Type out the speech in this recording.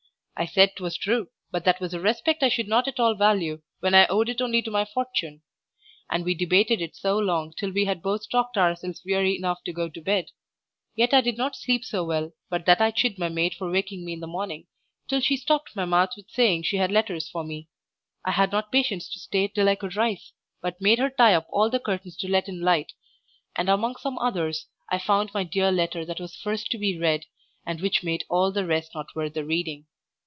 I said 'twas true, but that was a respect I should not at all value when I owed it only to my fortune. And we debated it so long till we had both talked ourselves weary enough to go to bed. Yet I did not sleep so well but that I chid my maid for waking me in the morning, till she stopped my mouth with saying she had letters for me. I had not patience to stay till I could rise, but made her tie up all the curtains to let in light; and among some others I found my dear letter that was first to be read, and which made all the rest not worth the reading.